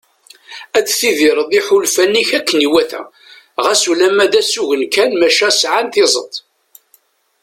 Ad tidireḍ iḥulfan-ik akken iwata ɣas ulamma d asugen kan maca sɛan tizeḍt.